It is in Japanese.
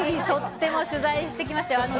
とっても取材してきましたよ！